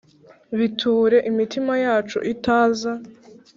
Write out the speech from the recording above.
biture imitima yacu itaza